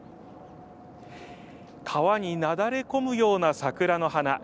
川になだれ込むような桜の花。